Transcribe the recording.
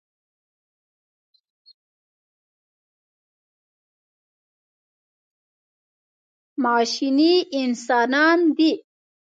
ماشیني انسانان دي.